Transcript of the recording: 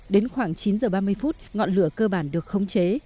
đến khoảng chín h ba mươi phút ngọn lửa cơ bản được khống chế